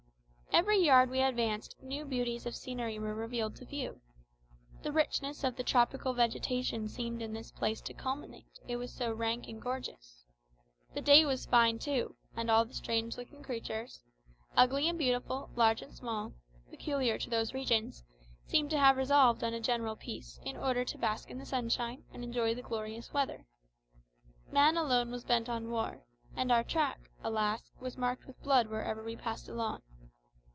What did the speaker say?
Every yard we advanced new beauties of scenery were revealed to view. The richness of the tropical vegetation seemed in this place to culminate, it was so rank and gorgeous. The day was fine, too, and all the strange looking creatures ugly and beautiful, large and small peculiar to those regions, seemed to have resolved on a general peace in order to bask in the sunshine and enjoy the glorious weather. Man alone was bent on war, and our track, alas! was marked with blood wherever we passed along.